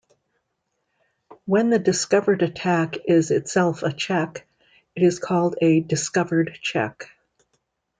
When the discovered attack is itself a check, it is called a "discovered check".